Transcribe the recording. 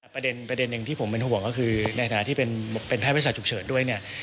ประเด็นหนึ่งที่ผมเป็นห่วงก็คือในฐานะที่เป็นไพรสาชุกเฉินด้วย